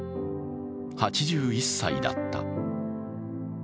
８１歳だった。